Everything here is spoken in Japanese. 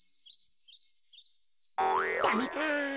ダメか。